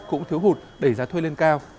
cũng thiếu hụt đẩy giá thuê lên cao